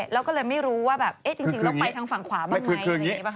แล้วก็เลยไม่รู้ว่าจริงเราไปทางฝั่งขวาบ้างไหม